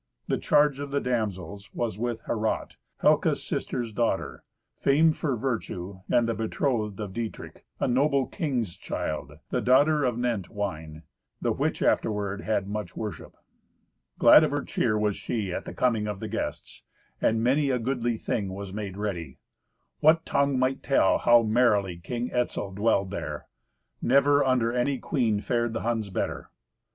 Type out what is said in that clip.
The charge of the damsels was with Herrat, Helca's sister's daughter, famed for virtue, and the betrothed of Dietrich, a noble king's child, the daughter of Nentwine; the which afterward had much worship. Glad of her cheer was she at the coming of the guests, and many a goodly thing was made ready. What tongue might tell how merrily King Etzel dwelled there? Never under any queen fared the Huns better.